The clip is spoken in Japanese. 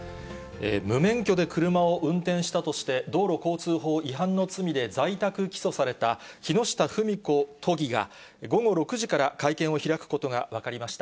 無免許で車を運転したとして、道路交通法違反の罪で在宅起訴された木下富美子都議が、午後６時から会見を開くことが分かりました。